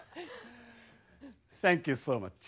センキューソーマッチ。